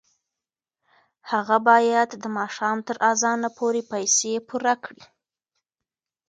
هغه باید د ماښام تر اذانه پورې پیسې پوره کړي.